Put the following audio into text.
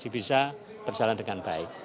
bisa berjalan dengan baik